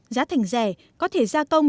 giá thành rẻ có thể gia tông